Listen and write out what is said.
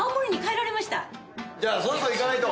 じゃあそろそろ行かないと。